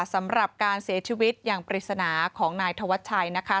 สำหรับการเสียชีวิตอย่างปริศนาของนายธวัชชัยนะคะ